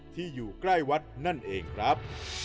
ที่อยู่ใกล้วัดนั่นเองครับ